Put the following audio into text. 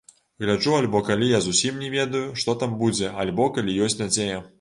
Гляджу альбо калі я зусім не ведаю, што там будзе, альбо калі ёсць надзея.